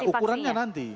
nah ukurannya nanti